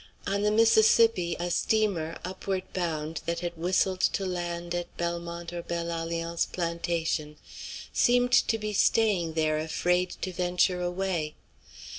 On the Mississippi a steamer, upward bound, that had whistled to land at Belmont or Belle Alliance plantation, seemed to be staying there afraid to venture away.